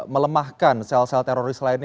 melemahkan sel sel teroris lainnya